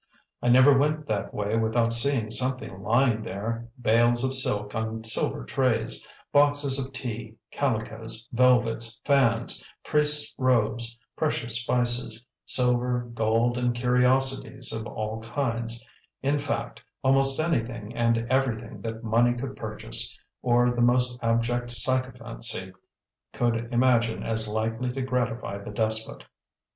I never went that way without seeing something lying there, bales of silk on silver trays, boxes of tea, calicoes, velvets, fans, priests' robes, precious spices, silver, gold, and curiosities of all kinds, in fact, almost anything and everything that money could purchase, or the most abject sycophancy could imagine as likely to gratify the despot.